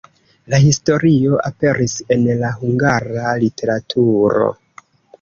La historio aperis en la hungara literaturo.